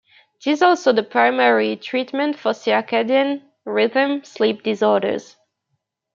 It is also the primary treatment for circadian rhythm sleep disorders.